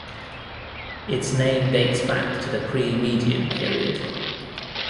Its name dates back to the pre-Median period.